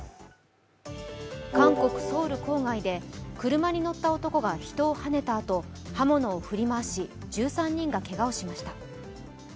韓国・ソウル郊外で車に乗った男が人をはねたあと刃物を振り回し１３人がけがをしました。